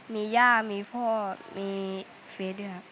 มีย่ามีพ่อมีเฟสด้วยครับ